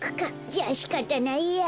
じゃあしかたないや。